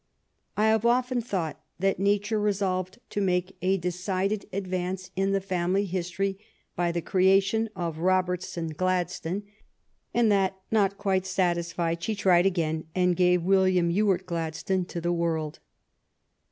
I have often thought that nature resolved to niaku a dccidecl advancL' In tliL fanill_\ hi. tni y by the creation of Robertson Gladstone, and that, not yet quite satisfied, she tried again and gave William Ewart Gladstone to the world.